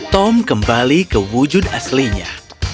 tom kembali ke wujud aslinya